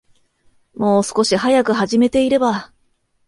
もう少し早く始めていれば